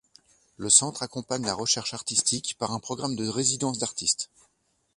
Le centre accompagne la recherche artistique, par un programme de résidence d'artistes.